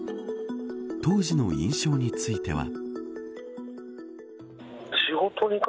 当時の印象については。